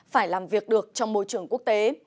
phải làm việc được trong môi trường quốc tế